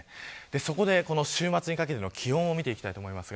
そこで、週末にかけての気温を見ていきます。